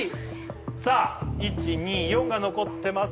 さあ１２４が残ってます